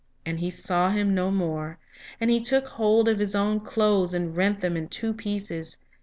And he saw him no more; and he took hold of his own clothes, and rent them in two pieces.